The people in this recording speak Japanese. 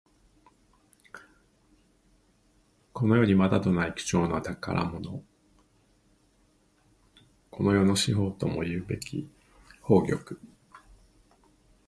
この世にまたとない貴重な宝物。この世の至宝ともいうべき宝玉。